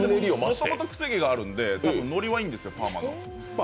もともとくせ毛があるので、のりはいいんですよ、パーマの。